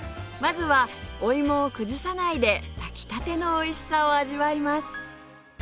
まずはお芋を崩さないで炊きたてのおいしさを味わいます